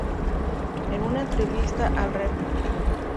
En una entrevista al Rev.